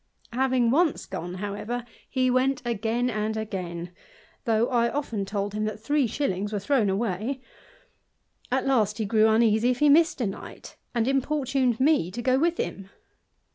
Having once gone, however, he went again and again, though I often told him that three shillings were thrown away : at last he grew uneasy if he missed a night, and importuned me to go with him.